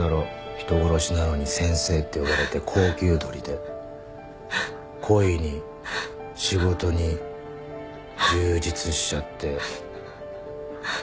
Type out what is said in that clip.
人殺しなのに「先生」って呼ばれて高給取りで恋に仕事に充実しちゃって。